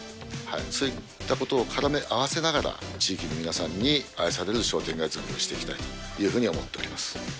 そういったことを絡め合わせながら、地域の皆さんに愛される商店街作りをしていきたいというふうに思